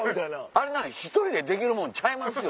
あんなん１人でできるもんちゃいますよ。